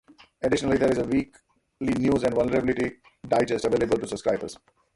Additionally, there is a weekly news and vulnerability digest available to subscribers.